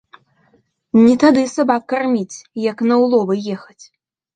Не тады сабак карміць, як на ўловы ехаць